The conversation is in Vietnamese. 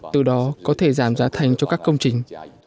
từ đó có thể giảm giá thành cho các công trình